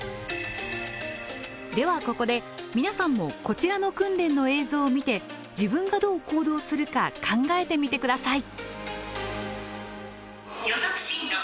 ではここで皆さんもこちらの訓練の映像を見て自分がどう行動するか考えてみて下さい。